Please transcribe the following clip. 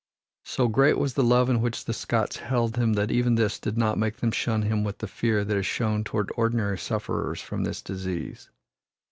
So great was the love in which the Scots held him that even this did not make them shun him with the fear that is shown toward ordinary sufferers from this disease.